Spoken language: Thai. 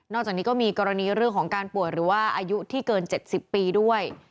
จากนี้ก็มีกรณีเรื่องของการป่วยหรือว่าอายุที่เกิน๗๐ปีด้วย